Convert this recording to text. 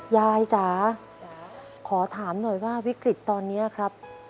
จ๋าขอถามหน่อยว่าวิกฤตตอนนี้ครับ